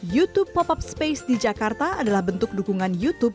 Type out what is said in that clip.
youtube pop up space di jakarta adalah bentuk dukungan youtube